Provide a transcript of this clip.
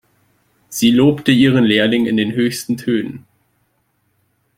Sie lobte ihren Lehrling in den höchsten Tönen.